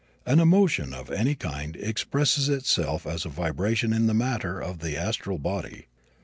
An emotion of any kind expresses itself as a vibration in the matter of the astral body.